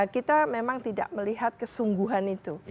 kita memang tidak melihat kesungguhan itu